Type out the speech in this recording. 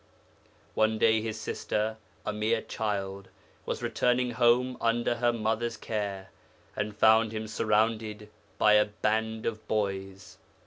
One day his sister a mere child was returning home under her mother's care, and found him surrounded by a band of boys.